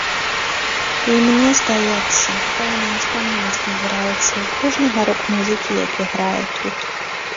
І, мне здаецца, пэўная стомленасць назіраецца ў кожнага рок-музыкі, які грае тут.